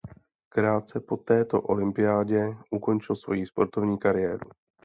Krátce po této olympiádě ukončil svoji sportovní kariéru.